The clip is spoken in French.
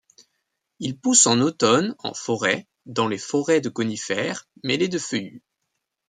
Il pousse en automne, en forêt, dans les forêts de conifères, mêlées de feuillus.